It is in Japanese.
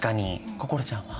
心ちゃんは？